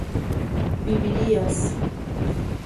vivirías